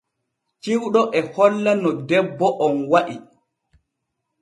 Cewɗo e holla no debbo on wa’i.